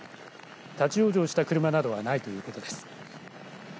立往生した車などはないということです。